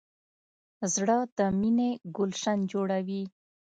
زړه د مینې ګلشن جوړوي.